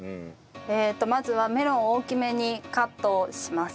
まずはメロンを大きめにカットします。